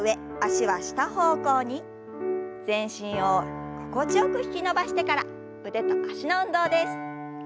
全身を心地よく引き伸ばしてから腕と脚の運動です。